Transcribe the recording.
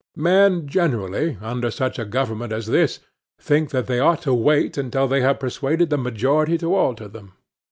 Men generally, under such a government as this, think that they ought to wait until they have persuaded the majority to alter them.